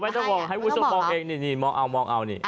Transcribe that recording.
ไม่ต้องบอกให้ผู้ชมมองเองนี่มองเอานี่